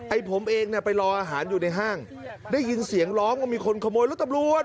ผมเองเนี่ยไปรออาหารอยู่ในห้างได้ยินเสียงร้องว่ามีคนขโมยรถตำรวจ